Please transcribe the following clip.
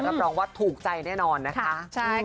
รับรองว่าถูกใจแน่นอนนะคะ